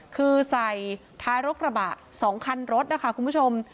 คือใส่ท้ายรกระบะ๒คันรถนะคะคุณผู้ชม